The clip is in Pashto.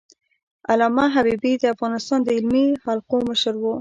علامه حبيبي د افغانستان د علمي حلقو مشر و.